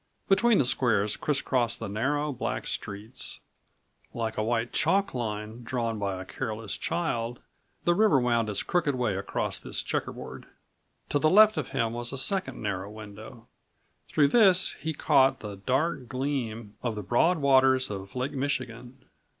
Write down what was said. Between the squares criss crossed the narrow black streets. Like a white chalk line, drawn by a careless child, the river wound its crooked way across this checker board. To the left of him was a second narrow window. Through this he caught the dark gleam of the broad waters of Lake Michigan.